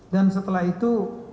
dan setelah itu